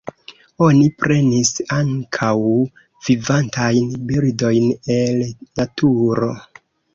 Oni prenis ankaŭ vivantajn birdojn el naturo.